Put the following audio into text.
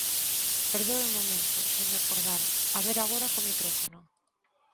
Perdoe un momento, señor Cordal, a ver agora co micrófono.